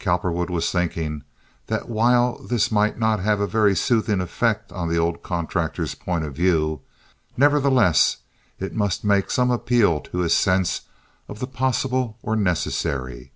(Cowperwood was thinking that while this might not have a very soothing effect on the old contractor's point of view, nevertheless it must make some appeal to his sense of the possible or necessary.